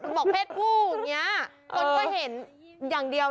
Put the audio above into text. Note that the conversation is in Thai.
เชื่อขึ้นเร็ว